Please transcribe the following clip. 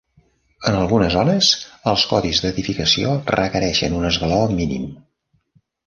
En algunes zones, els codis d"edificació requereixen un esglaó mínim.